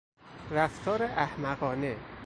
رفتار احمقانه